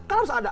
kan harus ada